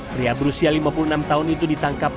pria berusia lima puluh enam tahun itu ditangkap